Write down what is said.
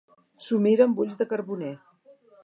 S'ho mira amb ulls de carboner.